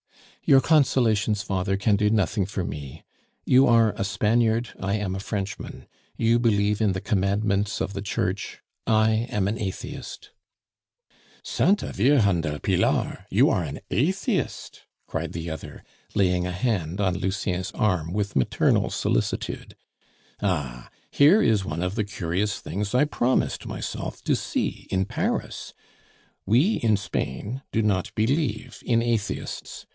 "Your consolations, father, can do nothing for me. You are a Spaniard, I am a Frenchman; you believe in the commandments of the Church, I am an atheist." "Santa Virgen del Pilar! you are an atheist!" cried the other, laying a hand on Lucien's arm with maternal solicitude. "Ah! here is one of the curious things I promised myself to see in Paris. We, in Spain, do not believe in atheists.